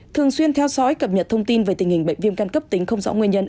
thường xuyên theo dõi cập nhật thông tin về tình hình bệnh viêm căn cấp tính không rõ nguyên nhân